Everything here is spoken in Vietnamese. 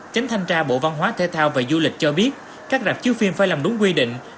tránh thanh tra bộ văn hóa thể thao và du lịch cho biết các rạp chiếu phim phải làm đúng quy định